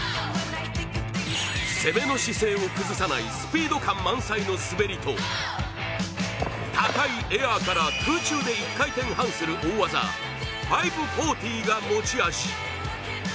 攻めの姿勢を崩さないスピード感満載の滑りと高いエアから空中で１回転半する大技、５４０が持ち味。